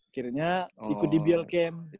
akhirnya ikut di biol camp